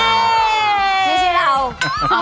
ไม่ใช่เรา